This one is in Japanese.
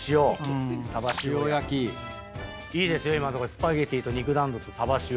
スパゲティと肉団子とさば塩。